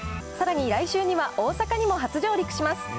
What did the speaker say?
さらに来週には大阪にも初上陸します。